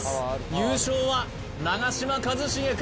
優勝は長嶋一茂か？